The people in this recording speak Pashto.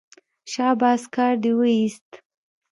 شاباس کار دې وایست.